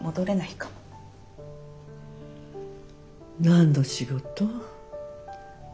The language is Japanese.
何の仕事？